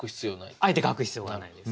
あえて書く必要がないです。